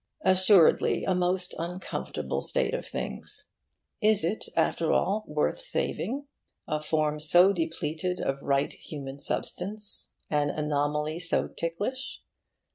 Assuredly, a most uncomfortable state of things. Is it, after all, worth saving? a form so depleted of right human substance, an anomaly so ticklish.